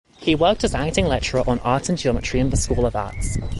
He worked as acting lecturer on Art and Geometry in the School of Arts.